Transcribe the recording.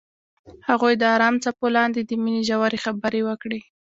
هغوی د آرام څپو لاندې د مینې ژورې خبرې وکړې.